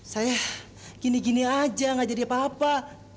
saya gini gini saja enggak jadi apa apa